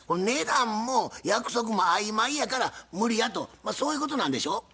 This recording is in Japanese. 値段も約束も曖昧やから無理やとまあそういうことなんでしょ？